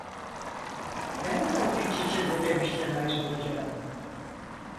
Ben mi o piç için Ödemiş'ten ayrılacağım!